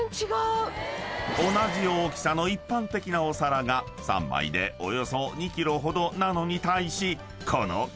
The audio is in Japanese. ［同じ大きさの一般的なお皿が３枚でおよそ２ｋｇほどなのに対しこの］